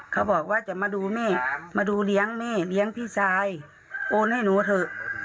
เขาบอกว่าจะมาดูแม่มาดูเลี้ยงแม่เลี้ยงพี่ชายโอนให้หนูเถอะ